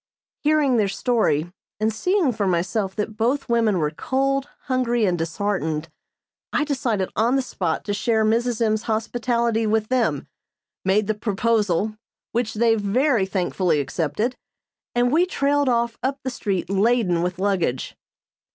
Hearing their story, and seeing for myself that both women were cold, hungry and disheartened, I decided on the spot to share Mrs. M.'s hospitality with them; made the proposal, which they very thankfully accepted, and we trailed off up the street laden with luggage.